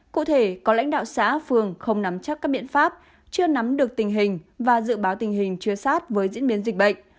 cụ thể có lãnh đạo xã phường không nắm chắc các biện pháp chưa nắm được tình hình và dự báo tình hình chưa sát với diễn biến dịch bệnh